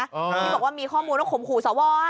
ที่บอกว่ามีข้อมูลว่าข่มขู่สว